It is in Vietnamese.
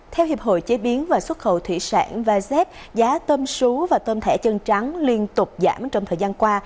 theo hiệp hội chế biến và xuất khẩu thủy sản vasep giá tôm sú và tôm thẻ chân trắng liên tục giảm trong thời gian qua